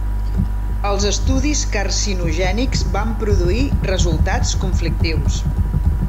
Els estudis carcinogènics van produir resultats conflictius.